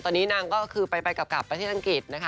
ตอนนี้นางก็คือไปกลับประเทศอังกฤษนะคะ